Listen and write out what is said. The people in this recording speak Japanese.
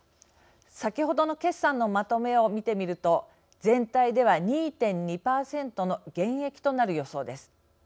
先ほどの決算のまとめを見てみると全体では２．２％の減益となる予想です。